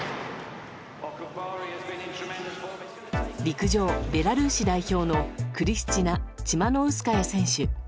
陸上、ベラルーシ代表のクリスチナ・チマノウスカヤ選手。